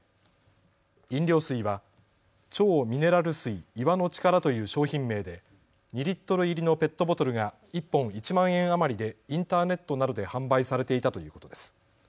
飲料水は超ミネラル水岩の力という商品名で２リットル入りのペットボトルが１本１万円余りでインターネットなどで販売されていたということです。